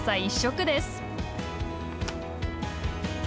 一色です。